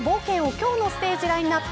今日のステージラインナップ